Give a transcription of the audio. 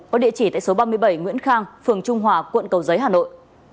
có địa chỉ tại số ba mươi bảy nguyễn khang phường trung hòa quận cầu giấy hà nội